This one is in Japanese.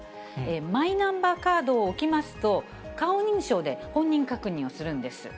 マイナンバーカードを置きますと、顔認証で本人確認をするんです。